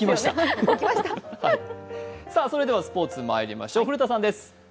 それではスポーツまいりましょう、古田さんです。